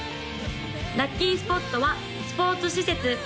・ラッキースポットはスポーツ施設